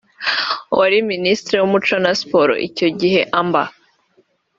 uwari Minisitiri w’Umuco na Siporo icyo gihe Amb